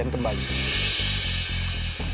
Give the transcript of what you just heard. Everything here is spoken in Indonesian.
dan bisa mencari pencarian kembali